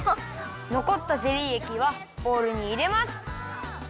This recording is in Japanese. のこったゼリーえきはボウルにいれます。